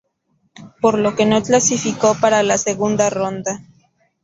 Por lo que no clasificó para la segunda ronda.